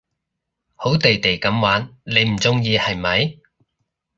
好地地噉玩你唔中意係咪？